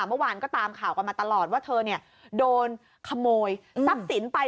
เมื่อวานก็ตามข่าวกันมาตลอดว่าเธอโดนขโมยทรัพย์สินไป